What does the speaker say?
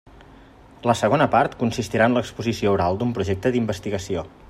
La segona part consistirà en l'exposició oral d'un projecte d'investigació.